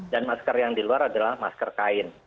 dan masker yang di luar adalah masker kain